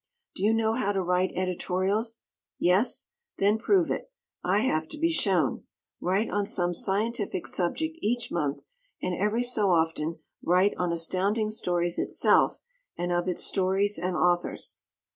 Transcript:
Do you know how to write editorials? Yes? Then prove it. I have to be shown. Write on some scientific subject each month, and every so often write on Astounding Stories itself and of its stories and authors.